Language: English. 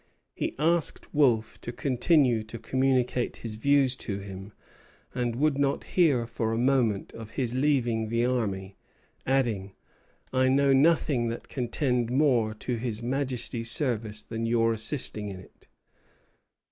He asked Wolfe to continue to communicate his views to him, and would not hear for a moment of his leaving the army; adding, "I know nothing that can tend more to His Majesty's service than your assisting in it."